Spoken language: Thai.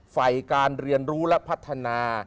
ฝ่ายการเรียนรู้และพัฒนา